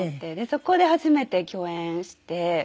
そこで初めて共演して。